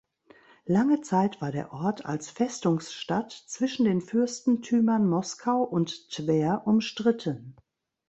Lange Zeit war der Ort als Festungsstadt zwischen den Fürstentümern Moskau und Twer umstritten.